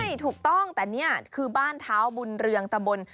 ใช่ถูกต้องแต่นี่คือบ้านเท้าบุญเรืองตะบน